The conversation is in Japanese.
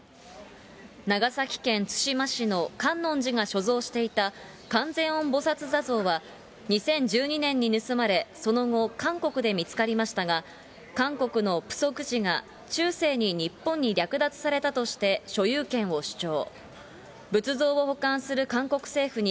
長崎県対馬市の観音寺が所蔵していた観世音菩薩坐像は、２０１２年に盗まれ、その後、韓国で見つかりましたが、韓国のプソク寺が、中世に日本に略奪されたとして所有権を主張。